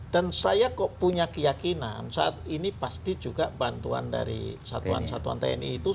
saya kok punya keyakinan saat ini pasti juga bantuan dari satuan satuan tni itu